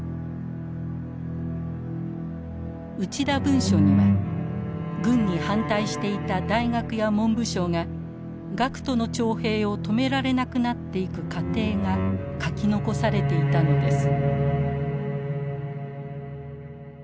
「内田文書」には軍に反対していた大学や文部省が学徒の徴兵を止められなくなっていく過程が書き残されていたのです。